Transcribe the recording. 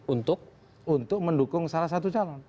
untuk mendukung salah satu calon